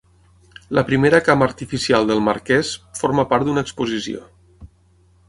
La primera cama artificial del marquès forma part d'una exposició.